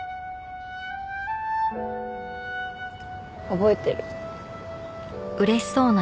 覚えてる。